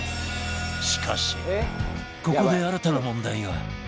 しかしここで新たな問題が